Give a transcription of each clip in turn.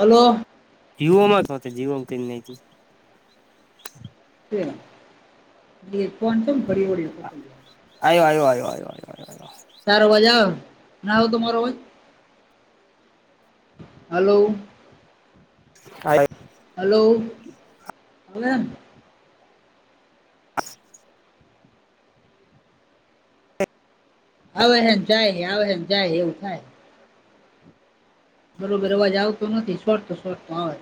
Hello. જીવોમાં જ હો, જીવ કઈ ન. શ નિ કોનસમ ઘડી વળકો પ આ આ્યો આ્યો આ આ [unintelligible] ચાર વાજે, આવ ના, આવ તમારો વાજ. હલો. હા. હલો. [unintelligible] હવે હેન જાય, આવે હેન જાય, એવું થાય. બરોબર, અવાજ આવતો નથી, શોટતો શોટ તો અવાજ.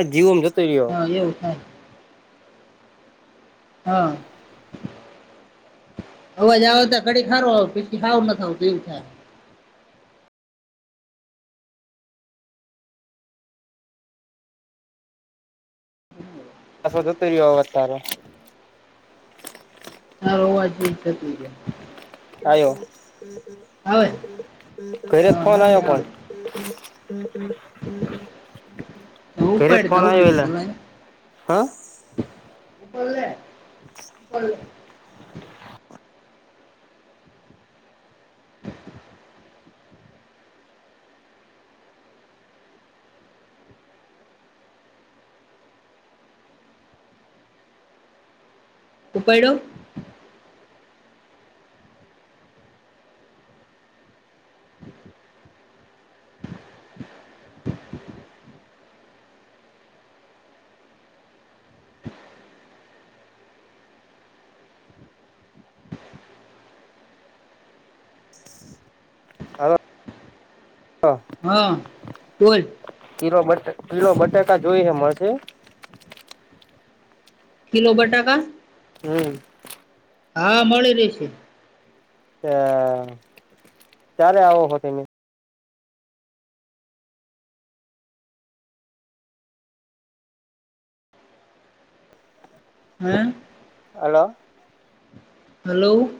અ ત જીવોમ જોતો રહ્યો. એવું. હા. અવાજ આવ તો ઘડી ખારો, આવું પછી ખાવ ન થ આવતું એવું થાય. બસો, વધતો રહ્યો વધારો. હા, હોવા જ થતું છે. ઓ. આવે ઘરે જ હા ફોન મને આવ્યો, આવે પણ તો ફેરેજ ઉપાડ ફોન તો હું આવે, બીજું એલા બોલાય હા. એ બલે. [unintelligible] [unintelligible] ઉપાડયો. હ, હા. હા, બોલ? કીલો બટ, કીલો બટાકા જોઈ હ મળે છે? કિલો બટાકા? હમ્મ હા, મળી રહી છે. હ, કારે આવો તમે હ.. હલો. હલો.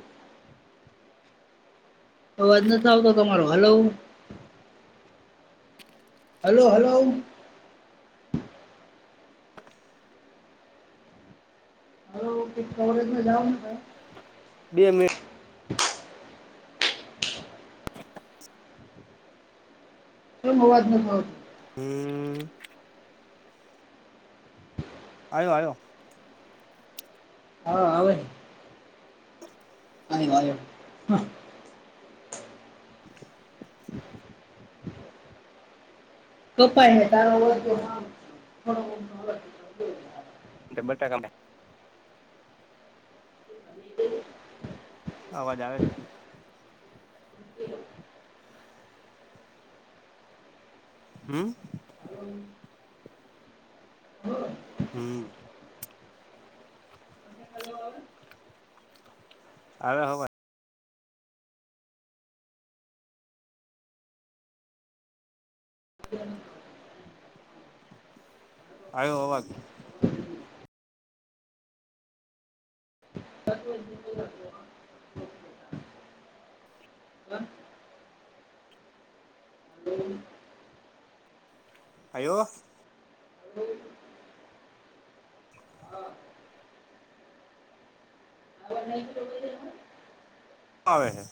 અવાજ નથ આવતો તમારો હલો. Hello hello. [inaudible] [unintelligible] કોલેજ મા જવા નુ થયે બે મિ કેમ અવાઝ નથ આવતો હમ્મ આયો, આયો હા, આવે. આયો, આયો. [inaudible] કપાય ને તારો અવાઝ આવે હે [unintelligible] ડબલ ટકામે [inaudible] અવાજ આવે છે? [inaudible] હમ્મ હેલો હમ્મ હલો આવે આયો હવે [unintelligible] આવ્યો હો અવાઝ [inaudible] હ [inaudible] આવ્યો નહીં નહી [unintelligible] આવે હે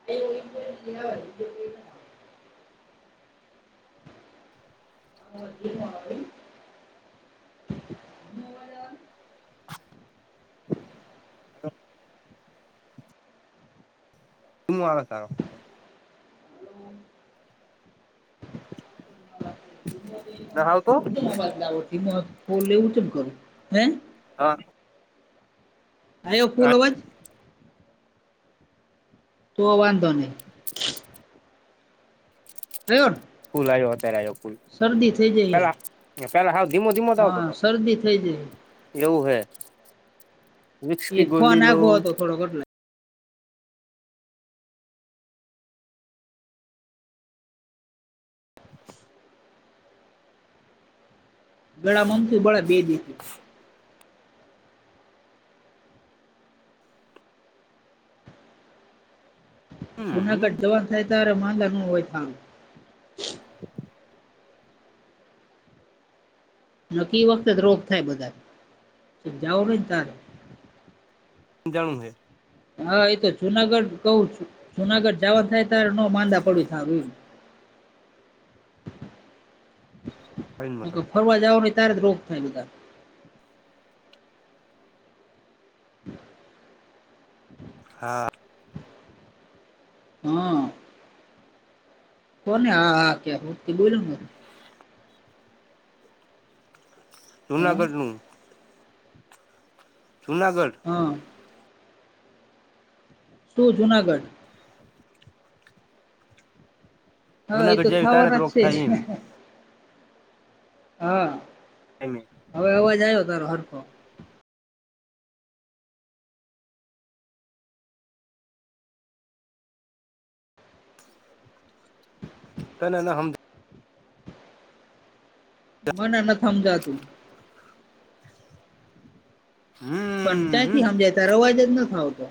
[unintelligible] [unintelligible] હલો. ધીમો આવે તારો ના આવતો [unintelligible] હા. આયો, ફૂલ અવાજ? તો વાંધો નહી. આયો ને ફૂલ આવ્યો, અત્યારે આવ્યો ફૂલ. શરદી થઈ જાય હે પેલા સાવ હાવ ધીમો ધીમો જ આવતો હા હતો શરદી થઈ જાય એવું હે વિકસ કી ગોલી લો થોડો બદલાય ગાળા મા બડે અમથું બે દી જુનાગઢ જવાનું થાય, ત્યારે માલા નું હોય, થામ. [unintelligible] નકી વખતે જ રોગ થાય, બધા જાવો નહી ને તારે. જાણું ન. હા, એતો જુનાગઢ કહું, જુનાગઢ જવાનું થાય, ત્યારે ન માંદા પડ્યું સારું એ. ફરવા જાવ નહી, ત્યારે જ રોગ થાય બધા. [unintelligible] હા. હમ. કોને? હા, હા, ક્યા બોલો? હે જુનાગઢનું. જૂનાગઢ. હા. શું જુનાગઢ? હા એ તો જુનાગઢ જાય, ત્યારે તો થાવાના જ રોગ છે થાય એમ‌. હા. એમ. હવે અવાજ તારો હરકો. [unintelligible] ત ના ના હમ [unintelligible] મને ન સમજાવતું. હમ પણ હમ ક્યાંથી સમજાયતા, અવાજ જ નથી આવતો.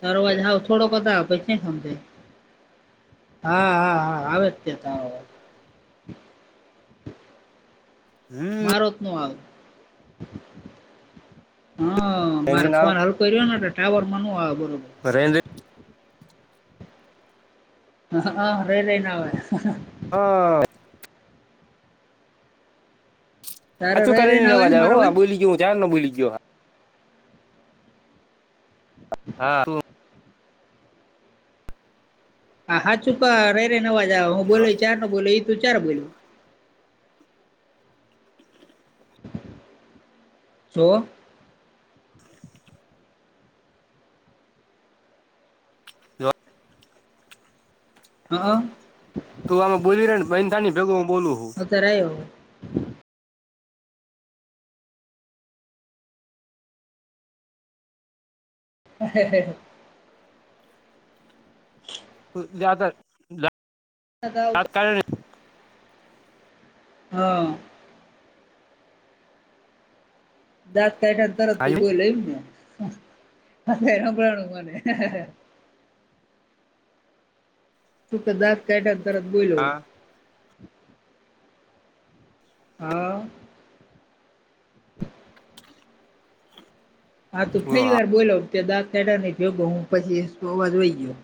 તારોવાજ હાવ થોડો કરતા પ [unintelligible] સમજ, હા, હા, હા, આવે તે. હમ મારો જ ન આવ હ મારે ફન હલ [unintelligible] ના, ટાવર મા બરોબર. પર. હ, હા, ર રઈને આવે. હા. તારે હચું રહી કરી રહી ને, આવે નવાજા મારો હ અવાજ બોલી ગયો હું, ધ્યાન ના બોલી ગયો. હા. હા, હા, ચુપા રહી રે નવાજા, હું જો બોલો ચાર નો, બોલો એ તું ચાર બોલ્યો. ચો [unintelligible] હ. હ. હા. તું અમે બોલીવી ર ને, બન થ ની ભેગ હું બોલું હું. [unintelligible] કરાયો. હ. તો જદર [unintelligible] હા. તાકા. હા. દાંત કાઠાને તરત હા તું ગયો, લઈને, રમળનું, મને. તુક તો જત કટા તત બોલો [unintelligible] હા. હા, તું ફરી વાર, બોલો? દા ન જો હું પછી અવાજ હોહી ગયો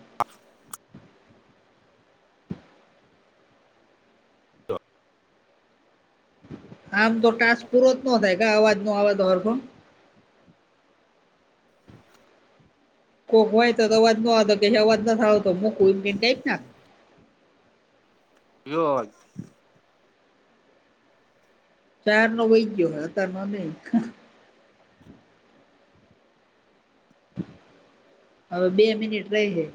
આમ તો ટાસ્ક પૂરો જ ન થાય, ક અવાજ નો અવાજ હરફ કોક વય તો તો વ ન આવતો કેવા થ આવતો મકક ના એ આ ક્યાર નો હુઈ ગયો હે અતાર નો નહીં - હવે બે મિનિટ રહી હે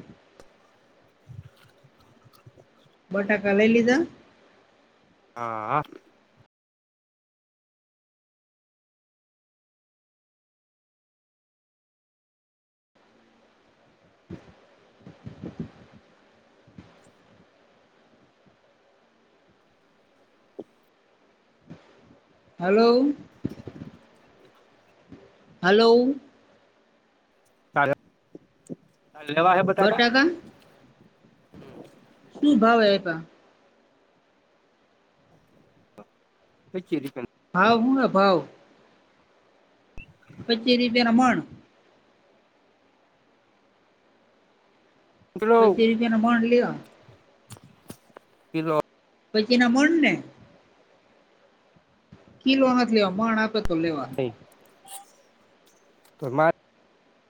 બટાકા લય લીધા હા હલો હલો તારે લેવા હે બટાકા શું ભાવ એકા - પચી રૂપિયા ભાવ હું હ ભાવ પચી રૂપિયા મંણ કિલો પછી રૂપિયા નનો મણ લીહ - કિલો પછી ના મણ ને કિલો નત લેવા મણ આપે તો લેવાનું તો મારે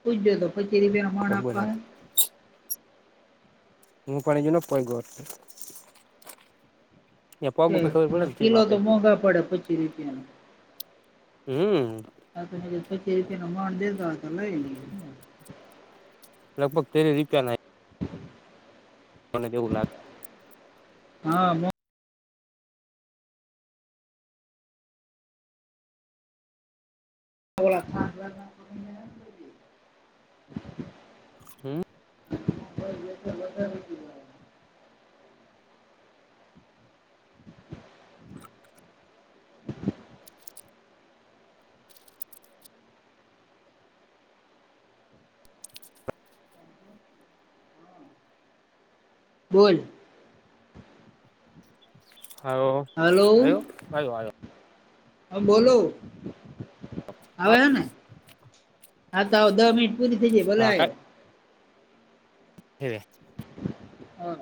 પૂજજો તો પછી રૂપિયા ના મણ આપવા બોલા હ હૂ પણ અજુ નથ પોયગો પગ ઉપર ખબર હમ્મ પડે ને કિલો કેમ આપે લોતો મોંઘા પડે પચી રૂપિયા હમ્મ આ ત હ પચી રૂપિયા નો મણ દેતો હોતો લય લિયે લગભગ તેરી રૂપિયા ના મને એવું લાગે હા [unintelligible] હમ્મ [unintelligible] વદારે કીધું બોલ હો આવ્યો આવ્યો હા બોલો આવ્યો ને હા તો આવો દહ મિનિટ પૂરી થઇ જાય ભલે આવ્યો હે હ